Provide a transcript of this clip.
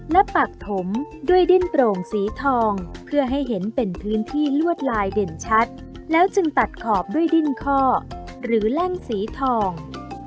และปักถมด้วยดิ้นโปร่งสีทองเพื่อให้เห็นเป็นพื้นที่ลวดลายเด่นชัดแล้วจึงตัดขอบด้วยดิ้นข้อหรือแล่งสีทอง